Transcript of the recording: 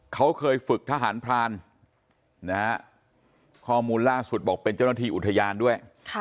เขาเคยฝึกทหารพรานนะฮะข้อมูลล่าสุดบอกเป็นเจ้าหน้าที่อุทยานด้วย